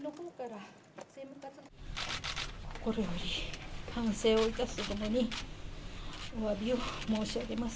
心より反省をいたすとともに、おわびを申し上げます。